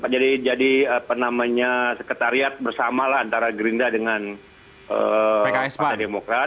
jadi penamanya sekretariat bersamalah antara gerinda dengan pantai demokrat